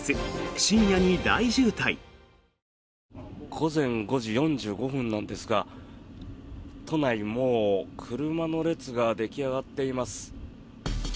午前５時４５分なんですが都内、もう車の列が出来上がっています。